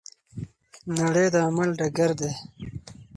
نړۍ د عمل ډګر دی.